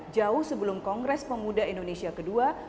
jauh sebelum kongres pemuda indonesia ke dua